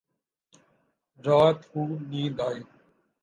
رات خوب نیند آئی